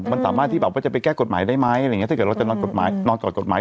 มันสามารถที่เปล่าว่าจะไปแก้กฎหมายได้ไหมถ้าอยากเราจะรอเกาะกฎหมาย